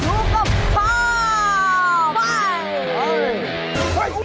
ดูกับข้าวไป